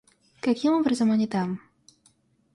Каким образом они там?